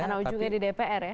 karena ujungnya di dpr ya